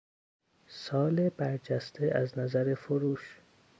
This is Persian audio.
سال برجسته از نظر فروش